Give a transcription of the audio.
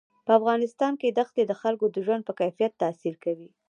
په افغانستان کې دښتې د خلکو د ژوند په کیفیت تاثیر کوي.